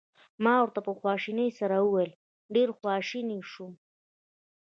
ما ورته په خواشینۍ سره وویل: ډېر خواشینی شوم.